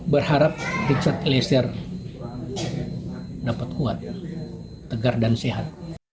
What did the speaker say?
berharap richard eliezer dapat kuat tegar dan sehat